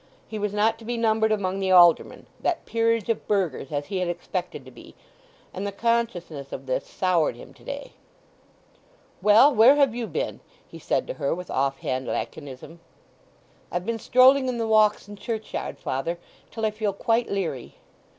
He was not to be numbered among the aldermen—that Peerage of burghers—as he had expected to be, and the consciousness of this soured him to day. "Well, where have you been?" he said to her with offhand laconism. "I've been strolling in the Walks and churchyard, father, till I feel quite leery."